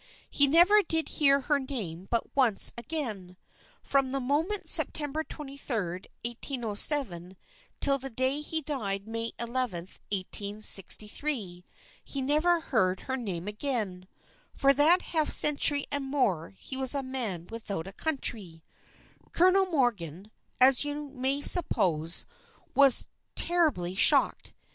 He never did hear her name but once again. From that moment, September 23, 1807, till the day he died, May 11, 1863, he never heard her name again. For that half century and more he was a man without a country. Colonel Morgan, as you may suppose, was terribly shocked.